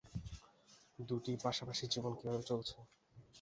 দুটি পাশাপাশি জীবন কিভাবে চলছে?